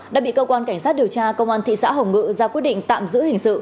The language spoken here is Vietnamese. đã bị cơ quan cảnh sát điều tra công an thị xã hồng ngự ra quyết định tạm giữ hình sự